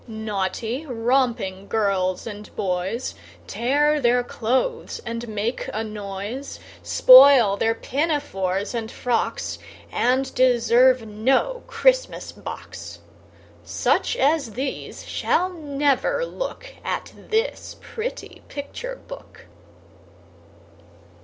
Naughty, romping girls and boys Tear their clothes and make a noise, Spoil their pinafores and frocks, And deserve no Christmas box. Such as these shall never look At this pretty Picture book.